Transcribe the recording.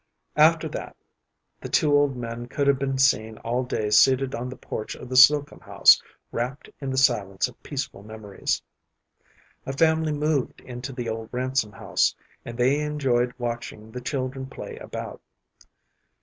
After that the two old men could have been seen all day seated on the porch of the Slocum house wrapt in the silence of peaceful memories. A family moved into the old Ransom house, and they enjoyed watching the children play about.